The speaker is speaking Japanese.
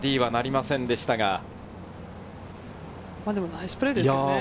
でも、ナイスプレーですよね。